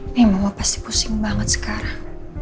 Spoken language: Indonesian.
ini mama pasti pusing banget sekarang